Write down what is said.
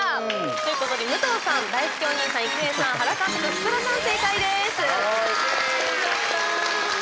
ということで、武藤さんだいすけお兄さん、郁恵さん原監督、福田さん正解です。